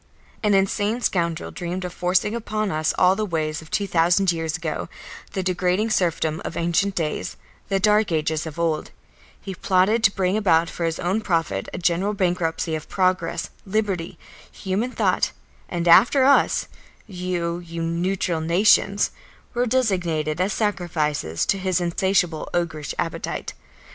An insane scoundrel dreamed of forcing upon us all the ways of two thousand years ago, the degrading serfdom of ancient days, the dark ages of old; he plotted to bring about for his own profit a general bankruptcy of progress, liberty, human thought, and after us, you, you neutral nations, were designated as sacrifices to his insatiable, ogreish appetite.